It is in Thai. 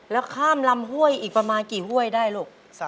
แล้วข้ามลำห้วยอีกประมาณกี่ห้วยได้ลูก